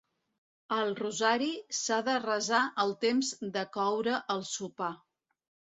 El rosari s'ha de resar el temps de coure el sopar.